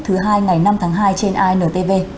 thứ hai ngày năm tháng hai trên intv